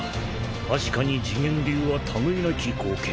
確かに示現流は類いなき豪剣。